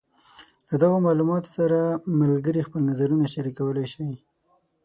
له دغو معلوماتو سره ملګري خپل نظرونه شریکولی شي.